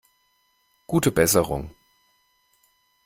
Gute Besserung!